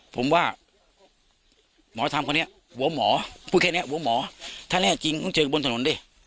ผมว่าหมอทำคนนี้หัวหมอพูดแค่นี้หัวหมอถ้าแน่จริงต้องเจอบนถนนดิ